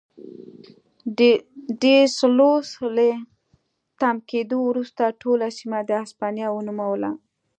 ډي سلوس له تم کېدو وروسته ټوله سیمه د هسپانیا ونوموله.